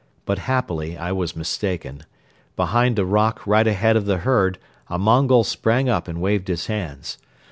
But happily I was mistaken. Behind a rock right ahead of the herd a Mongol sprang up and waved his hands.